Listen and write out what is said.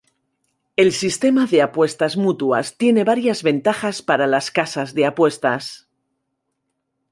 El sistema de apuestas mutuas tiene varias ventajas para las casas de apuestas.